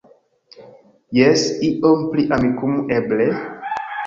Jes, ion pri Amikumu, eble?